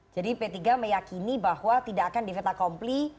jadi kita meyakini bahwa tidak akan difetakompli